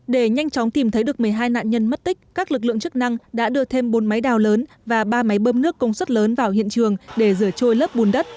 để nhanh chóng tìm thấy được một mươi hai nạn nhân mất tích các lực lượng chức năng đã đưa thêm bốn máy đào lớn và ba máy bơm nước công suất lớn vào hiện trường để rửa trôi lớp bùn đất